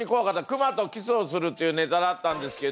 熊とキスをするっていうネタだったんですけど。